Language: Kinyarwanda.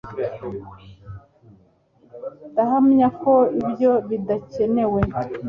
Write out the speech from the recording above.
Ndahamya ko ibyo bidakenewe